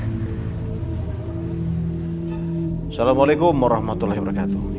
assalamualaikum warahmatullahi wabarakatuh